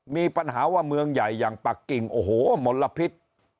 มีปัญหาว่าเมืองใหญ่อย่างปักกิ่งโอ้โหมลพิษ